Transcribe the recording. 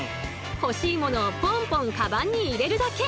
欲しいものをポンポンかばんに入れるだけ。